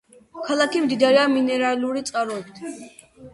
ქალაქი მდიდარია მინერალური წყაროებით.